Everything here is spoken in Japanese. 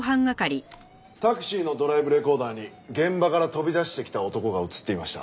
タクシーのドライブレコーダーに現場から飛び出してきた男が映っていました。